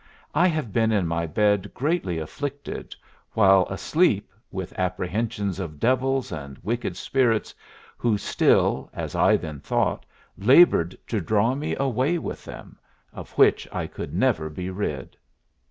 I have been in my bed greatly afflicted, while asleep, with apprehensions of devils and wicked spirits, who still, as I then thought, labored to draw me away with them, of which I could never be rid."